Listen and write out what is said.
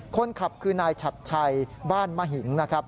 คนขับคือนายชัดชัยบ้านมหิงนะครับ